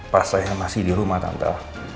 pas saya masih di rumah tangga